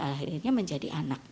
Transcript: akhirnya menjadi anak